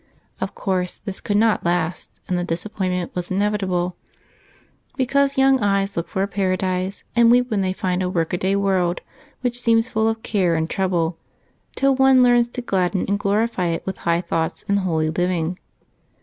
Of course this could not last, and disappointment was inevitable, because young eyes look for a Paradise and weep when they find a workaday world which seems full of care and trouble till one learns to gladden and glorify it with high thoughts and holy living.